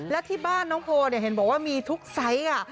และที่บ้านน้องโพลเห็นบอกว่ามีทุกไซส์ค่ะ